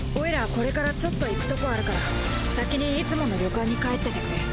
これからちょっと行くとこあるから先にいつもの旅館に帰っててくれ。